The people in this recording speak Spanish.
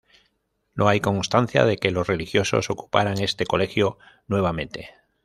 No hay constancia de que los religiosos ocuparan este colegio nuevamente.